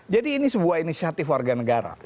jadi ini sebuah inisiatif warga negara